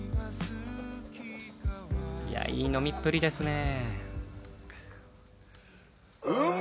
いやいい飲みっぷりですねえ。